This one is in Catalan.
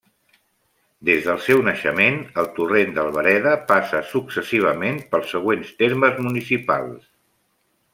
Des del seu naixement, el Torrent d'Albereda passa successivament pels següents termes municipals.